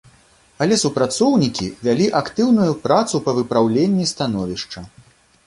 Але супрацоўнікі вялі актыўную працу па выпраўленні становішча.